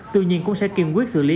tuy nhiên cũng sẽ kiên quyết xử lý